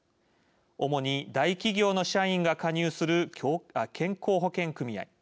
主に大企業の社員が加入する健康保険組合。